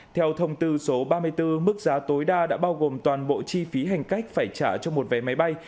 theo thông tư số ba mươi bốn mức giá tối đa đã bao gồm toàn bộ chi phí hành khách phải trả cho một vé máy bay